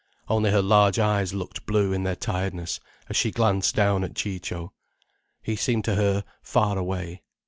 Only her large eyes looked blue in their tiredness, as she glanced down at Ciccio. He seemed to her far away.